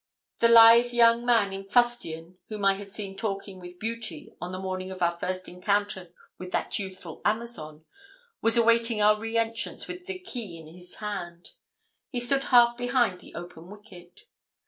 The lithe young man in fustian, whom I had seen talking with Beauty on the morning of our first encounter with that youthful Amazon, was awaiting our re entrance with the key in his hand. He stood half behind the open wicket.